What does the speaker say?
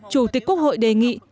chủ tịch quốc hội đề nghị